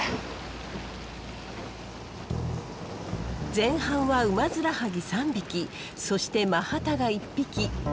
前半はウマヅラハギ３匹そしてマハタが１匹。